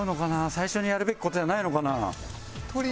最初にやるべき事じゃないのかな？